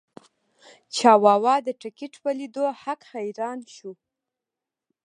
چاواوا د ټکټ په لیدو هک حیران شو.